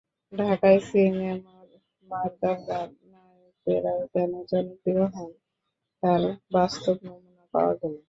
ঢাকাই সিনেমার মারদাঙ্গা নায়কেরা কেন জনপ্রিয় হন, তার বাস্তব নমুনা পাওয়া গেল।